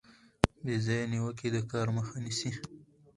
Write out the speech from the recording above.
بې ځایه نیوکې د کار مخه نیسي.